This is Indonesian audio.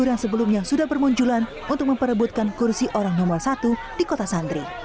yang sebelumnya sudah bermunculan untuk memperebutkan kursi orang nomor satu di kota santri